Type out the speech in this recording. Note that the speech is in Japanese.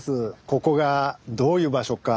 ここがどういう場所か